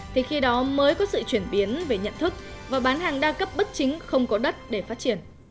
thì khi đó mới có sự chuyển biến về nhận thức và bán hàng đa cấp bất chính không có đất để phát triển